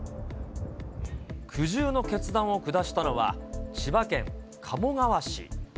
苦渋の決断を下したのは、千葉県鴨川市。